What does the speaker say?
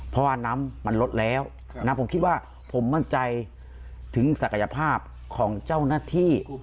เพราะว่าน้ำมันลดแล้วนะผมคิดว่าผมมั่นใจถึงศักยภาพของเจ้าหน้าที่